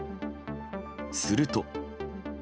すると。